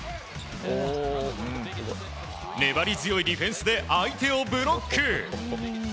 粘り強いディフェンスで相手をブロック。